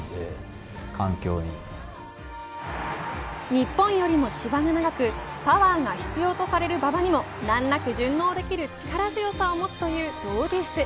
日本よりも芝が長くパワーが必要とされる馬場にも難なく順応できる力強さを持つというドウデュース。